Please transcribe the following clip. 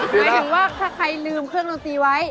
หมายถึงว่าถ้าใครลืมเครื่องดนตรีไว้